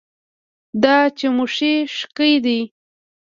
دا چموښي ښکي دي